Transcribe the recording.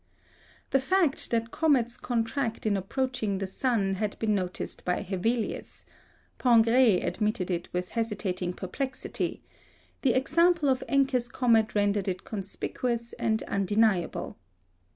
The fact that comets contract in approaching the sun had been noticed by Hevelius; Pingré admitted it with hesitating perplexity; the example of Encke's comet rendered it conspicuous and undeniable.